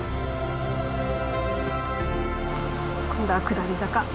今度は下り坂。